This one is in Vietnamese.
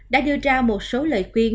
đã đưa ra một số lời khuyên